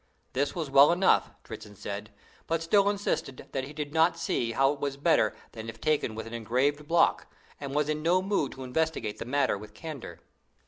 This was well enough, Dritzhn said, but still insisted that he did not see how it was better than if taken with an engraved block, and was in no mood to investigate the matter with candor.